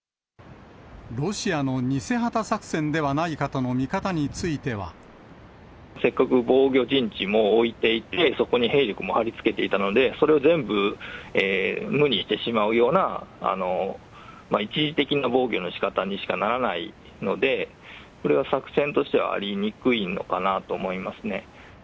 ロシアの偽旗作戦ではないかせっかく防御陣地も置いていて、そこに兵力もはりつけていたので、それを全部、無にしてしまうような一時的な防御のしかたにしかならないので、これは作戦としてはありにくいのかなと思いますね。